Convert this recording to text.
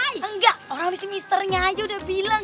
engga abisnya misternya aja udah bilang